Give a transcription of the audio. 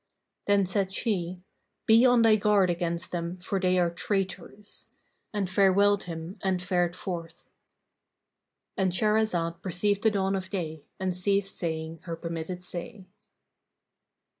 Then said she, "Be on thy guard against them, for they are traitors;" and farewelled him and fared forth.—And Shahrazad perceived the dawn of day and ceased saying her permitted say.